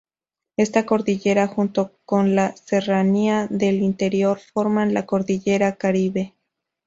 Esta cordillera junto con la serranía del Interior forman la cordillera Caribe.